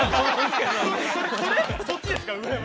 そっちですか。